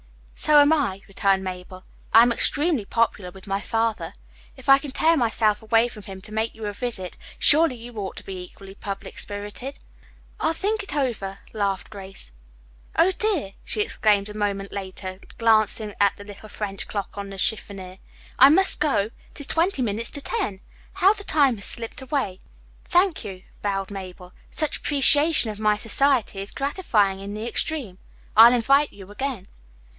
"So am I," returned Mabel. "I am also extremely popular with my father. If I can tear myself away from him to make you a visit, surely you ought to be equally public spirited." "I'll think it over," laughed Grace. "Oh, dear!" she exclaimed a moment later, glancing at the little French clock on the chiffonier, "I must go. It is twenty minutes to ten. How the time has slipped away." "Thank you," bowed Mabel. "Such appreciation of my society is gratifying in the extreme. I'll invite you again."